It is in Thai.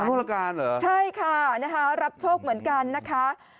พันธุรกาลเหรอใช่ค่ะรับโชคเหมือนกันนะคะ